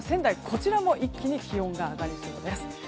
こちらも一気に気温が上がりそうです。